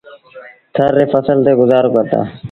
ٿر ري ڦسل تي گزآرو ڪرتآ۔